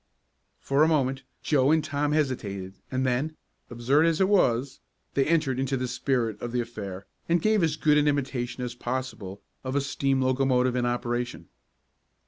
For a moment Joe and Tom hesitated and then, absurd as it was, they entered into the spirit of the affair and gave as good an imitation as possible of a steam locomotive in operation.